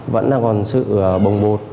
vẫn còn sự bồng bột